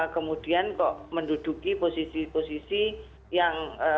kemudian kok menduduki posisi posisi yang